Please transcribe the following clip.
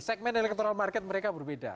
segmen electoral market mereka berbeda